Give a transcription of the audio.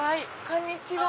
こんにちは。